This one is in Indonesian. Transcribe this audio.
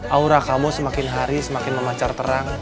aura kamu semakin hari semakin memancar terang